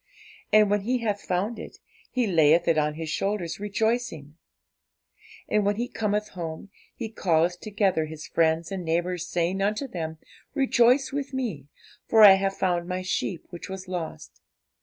And when he hath found it, he layeth it on his shoulders, rejoicing. And when he cometh home, he calleth together his friends and neighbours, saying unto them, Rejoice with me; for I have found my sheep which was lost.